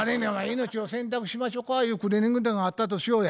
「命を洗濯しましょか」いうクリーニング店があったとしようや。